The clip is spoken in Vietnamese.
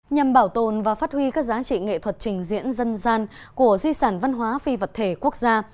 nhằm bảo tồn và phát huy các giá trị nghệ thuật trình diễn dân gian của di sản văn hóa phi vật thể quốc gia